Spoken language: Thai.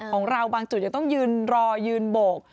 บางจุดยังต้องยืนรอยืนโบก